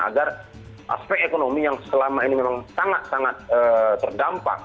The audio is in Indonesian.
agar aspek ekonomi yang selama ini memang sangat sangat terdampak